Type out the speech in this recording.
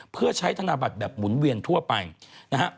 เพื่อใช้ธนบัตรแบบหมุนเวียนทั่วไปนะฮะ